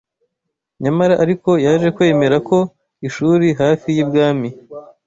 Nyamara ariko yaje kwemera ko ishuri hafi y’ibwami